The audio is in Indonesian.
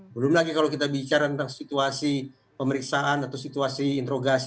belum lagi kalau kita bicara tentang situasi pemeriksaan atau situasi interogasi